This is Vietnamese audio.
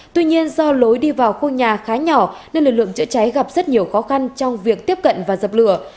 tuy nhiên do lối đi vào khu nhà khá nhỏ nên lực lượng chữa cháy gặp rất nhiều khó khăn trong việc tiếp cận và dập lửa